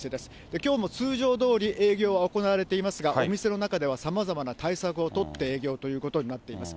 きょうも通常どおり、営業は行われていますが、お店の中ではさまざまな対策を取って営業ということになっています。